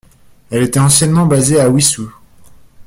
Elle était anciennement basée à Wissous.